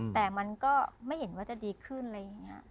แต่มันก็ไม่เห็นว่าจะดีขึ้นอะไรอย่างนี้